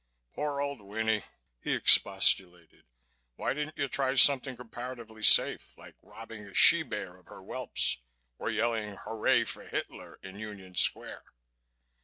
"Poor old Winnie!" he expostulated. "Why didn't you try something comparatively safe, like robbing a she bear of her whelps or yelling 'Hurray for Hitler' in Union Square?